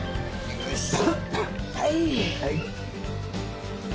よいしょ。